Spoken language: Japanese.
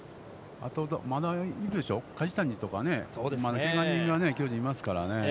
あとまだいるでしょう、梶谷とかね、けが人が巨人はいますからね。